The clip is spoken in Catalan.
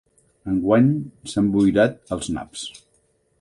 Enguany s'han boirat els naps.